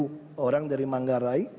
misalnya dulu orang dari manggarai mau ke blok m